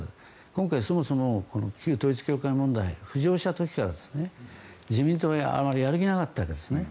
今回そもそも、旧統一教会問題が浮上した時から、自民党はあまりやる気なかったですね。